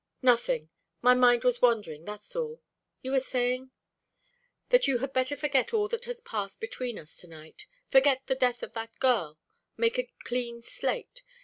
"Nothing. My mind was wandering, that's all. You were saying " "That you had better forget all that has passed between us to night forget the death of that girl make a clean slate.